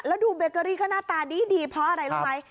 แล้วดูเบเกอรี่ก็หน้าตาดีเพราะอะไรรู้ไหม